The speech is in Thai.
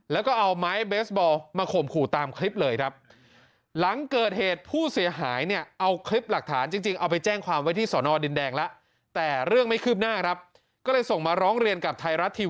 แล้วก็เอาม้ายเบสบอลมาโข่มขุตามคริปเลยนะครับหลังเกิดเหตุผู้เสียหายเนี่ยเอาคริปหลักฐานจริงเอาไปแจ้งความว่าที่สอนอดินแดงล่ะแต่เรื่องไม่ขืบหน้าครับก็เลยส่งมาร้องเรียนกับท้ายรัฐที